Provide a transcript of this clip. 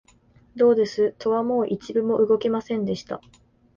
どうです、戸はもう一分も動きませんでした